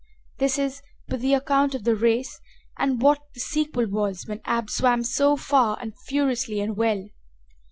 This is but the account of the race and what the sequel was when Ab swam so far and furiously and well.